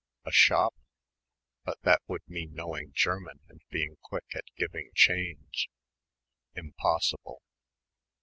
A shop? But that would mean knowing German and being quick at giving change. Impossible.